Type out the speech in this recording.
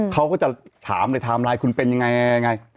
เขาก็จะถามเลยถามไลน์คุณเป็นอย่างไร